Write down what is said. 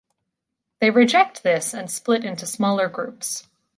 They reject this and split into smaller groups.